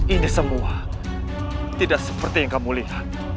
ini semua tidak seperti yang kamu lihat